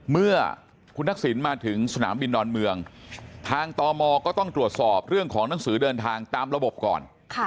เมื่อคุณทักษิณมาถึงสนามบินดอนเมืองทางตมก็ต้องตรวจสอบเรื่องของหนังสือเดินทางตามระบบก่อน